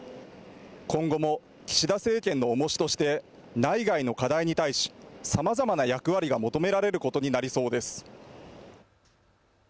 今後も岸田政権のおもしとして内外の課題に対しさまざまな役割が求められることになりそうです。